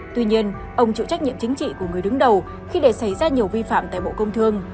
tuy nhiên ông chịu trách nhiệm chính trị của người đứng đầu khi để xảy ra nhiều vi phạm tại bộ công thương